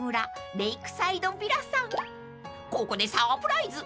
［ここでサプライズ！］